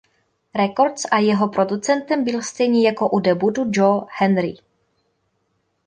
Records a jeho producentem byl stejně jako u debutu Joe Henry.